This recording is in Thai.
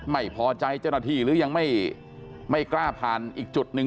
ไม่พอใจเจ้าหน้าที่หรือยังไม่กล้าผ่านอีกจุดหนึ่ง